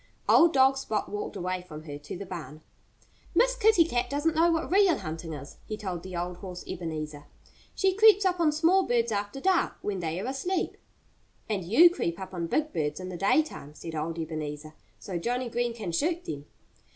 Old dog Spot walked away from her, to the barn. "Miss Kitty Cat doesn't know what real hunting is," he told the old horse Ebenezer. "She creeps up on small birds after dark, when they are asleep." "And you creep up on big birds in the daytime," said old Ebenezer, "so Johnnie Green can shoot them."